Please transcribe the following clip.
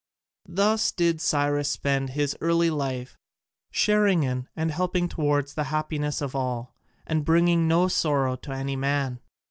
Thus did Cyrus spend his early life, sharing in and helping towards the happiness of all, and bringing no sorrow to any man.